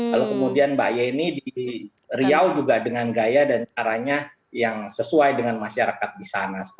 lalu kemudian mbak yeni di riau juga dengan gaya dan caranya yang sesuai dengan masyarakat di sana